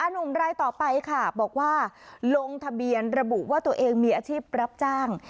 หนุ่มรายต่อไปค่ะบอกว่าลงทะเบียนระบุว่าตัวเองมีอาชีพรับจ้าง